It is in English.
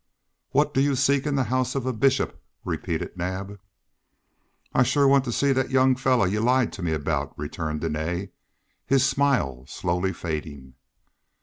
"What do you seek in the house of a Bishop?" repeated Naab. "I shore want to see the young feller you lied to me about," returned Dene, his smile slowly fading.